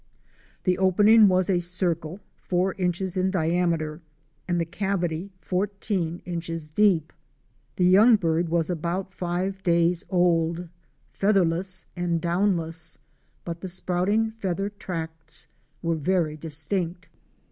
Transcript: The opening was a circle, four inches in diameter, and the cavity fourteen inches deep. The young bird was about five days old, featherless A GOLD MINE IN THE WILDERNESS. 201 and downless, but the sprouting feather tracts were very distinct.